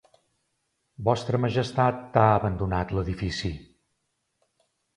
Vostra Majestat ha abandonat l'edifici.